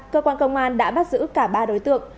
cơ quan công an đã bắt giữ cả ba đối tượng